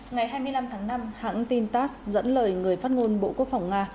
ngày hai mươi năm tháng năm hãng tin tass dẫn lời người phát ngôn bộ quốc phòng nga